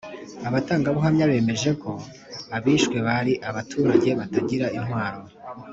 abatangabuhamya bemeje ko abishwe bari abaturage batagira intwaro,